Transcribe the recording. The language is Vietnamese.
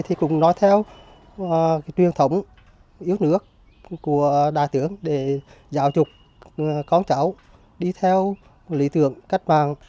thì cũng nói theo truyền thống yếu nước của đại tưởng để giáo trục con cháu đi theo lý tưởng cách mạng